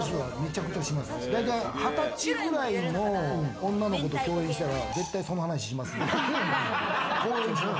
大体２０歳くらいの女の子と共演したら絶対その話しますね。